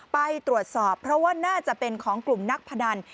ไปตรวจสอบเพราะว่าน่าจะเป็นของกลุ่มนักพนัน